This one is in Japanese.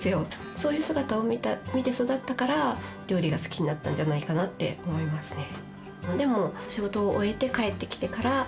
そういう姿を見て育ったから料理が好きになったんじゃないかなって思いますね。